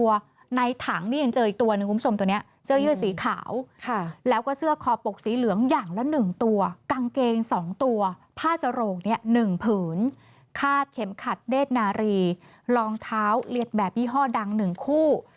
วันนี้๑ผืนคาดเข็มขัดเดชนารีรองเท้าเลียดแบบยี่ห้อดัง๑คู่